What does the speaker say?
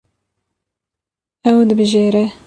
Ew dibijêre.